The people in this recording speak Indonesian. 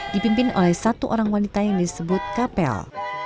dipimpin oleh satu orang wanita yang disebut kapel